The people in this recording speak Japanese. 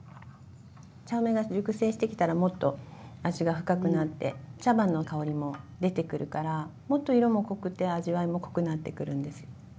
茶梅が熟成してきたらもっと味が深くなって茶葉の香りも出てくるからもっと色も濃くて味わいも濃くなってくるんです。